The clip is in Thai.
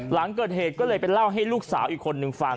หลังเกิดเหตุก็เลยไปเล่าให้ลูกสาวอีกคนนึงฟัง